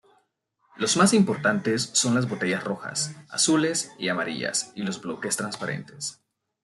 Los más importantes son las botellas rojas, azules y amarillas y los bloques transparentes.